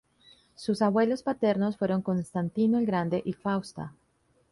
Sus abuelos paternos fueron Constantino el Grande y Fausta.